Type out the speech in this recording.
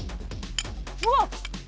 うわっ！